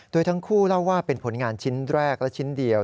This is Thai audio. โดยทั้งคู่เล่าว่าเป็นผลงานชิ้นแรกและชิ้นเดียว